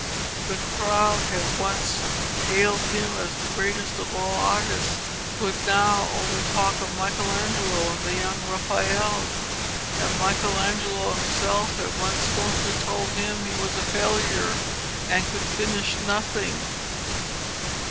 The crowd who had once hailed him as the greatest of all artists, could now only talk of Michelangelo and the young Raphael. Michelangelo himself had once scornfully told him he was a failure and could finish nothing.